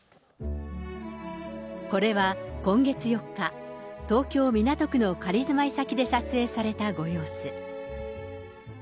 これは今月４日、東京・港区の仮住まい先で撮影されたご様子。